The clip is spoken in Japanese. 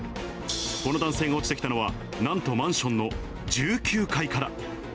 この男性が落ちてきたのは、なんとマンションの１９階から。